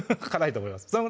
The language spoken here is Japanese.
辛いと思います